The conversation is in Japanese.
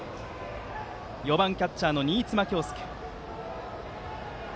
４番キャッチャーの新妻恭介。